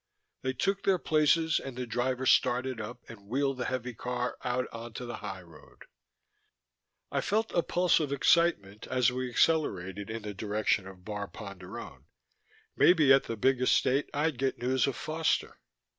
They took their places and the driver started up and wheeled the heavy car out onto the highroad. I felt a pulse of excitement as we accelerated in the direction of Bar Ponderone. Maybe at the big Estate I'd get news of Foster.